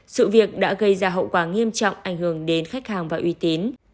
sự việc đã gây ra hậu quả nghiêm trọng ảnh hưởng đến khách hàng và uy tín